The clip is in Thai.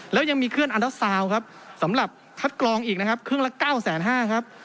แล้วยังมีเครื่องอันดาซาวน์ครับสำหรับคัดกรองอีกนะครับเครื่องละ๙๕๐๐ครับ